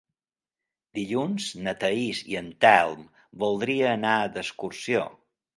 Dilluns na Thaís i en Telm voldria anar d'excursió.